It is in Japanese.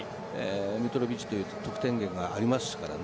ミトロヴィッチという得点源がありますからね。